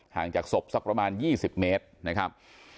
จากศพสักประมาณ๒๐เมตรนะครับ